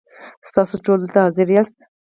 ستاسو ټول دلته حاضر یاست .